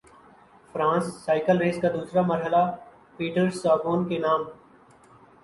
France cycle race کا دوسرا مرحلہ پیٹرساگان کے نام